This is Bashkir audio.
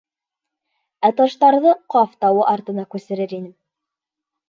Ә таштарҙы Ҡаф тауы артына күсерер инем.